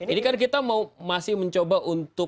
ini kan kita masih mencoba untuk